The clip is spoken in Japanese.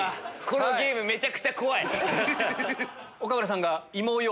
このゲームめちゃくちゃ怖い！